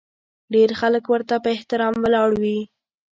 ډېر خلک ورته په احترام ولاړ وي.